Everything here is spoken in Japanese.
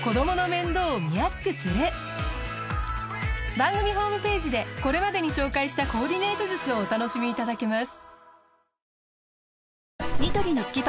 番組ホームページでこれまでに紹介したコーディネート術をお楽しみいただけます。